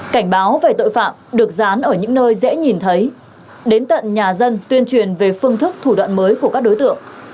cảnh báo về tội phạm được dán ở những nơi dễ nhìn thấy đến tận nhà dân tuyên truyền về phương thức thủ đoạn mới của các đối tượng